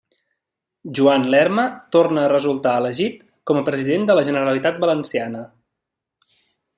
Joan Lerma torna a resultar elegit com a President de la Generalitat Valenciana.